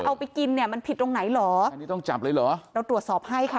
เอาไปกินเนี่ยมันผิดตรงไหนเหรออันนี้ต้องจับเลยเหรอเราตรวจสอบให้ค่ะ